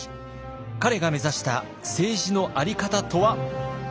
彼が目指した政治の在り方とは？